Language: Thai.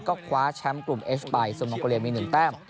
ก็คว้าแชมป์กลุ่มเอสไปส่วนมองโกเลียมี๑แต้ม